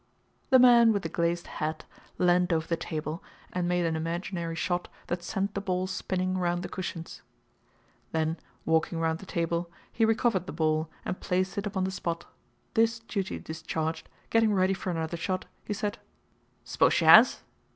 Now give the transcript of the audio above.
The man with the glazed hat leaned over the table and made an imaginary shot that sent the ball spinning round the cushions. Then, walking round the table, he recovered the ball and placed it upon the spot. This duty discharged, getting ready for another shot, he said: "S'pose she has?"